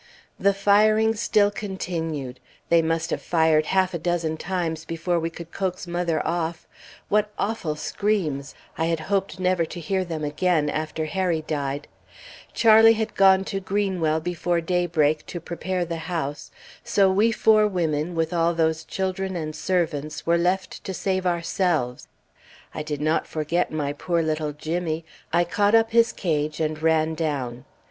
The firing still continued; they must have fired half a dozen times before we could coax mother off. What awful screams! I had hoped never to hear them again, after Harry died. Charlie had gone to Greenwell before daybreak, to prepare the house, so we four women, with all those children and servants, were left to save ourselves. I did not forget my poor little Jimmy; I caught up his cage and ran down.